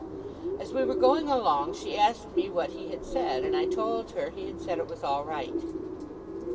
As we were going along, she asked me what he had said; and I told her he had said it was all right.